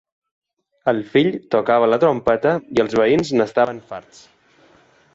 El fill tocava la trompeta i els veïns n'estaven farts.